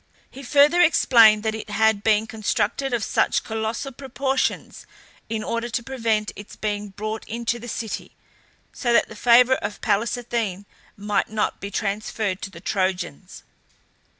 He further explained that it had been constructed of such colossal proportions in order to prevent its being brought into the city, so that the favour of Pallas Athene might not be transferred to the Trojans.